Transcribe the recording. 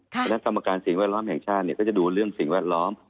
คณะกรรมการสิ่งแวดล้อมแห่งชาติก็จะดูเรื่องสิ่งแวดล้อม